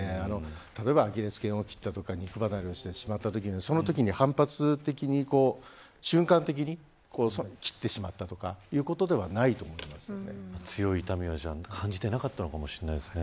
例えばアキレス腱を切ったとか肉離れをしてしまったときに反発的に瞬間的に切ってしまったとかいうことではないと強い痛みは感じていなかったのかもしれないですね。